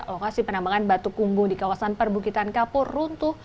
lokasi penambangan batu kumbu di kawasan perbukitan kapur runtuh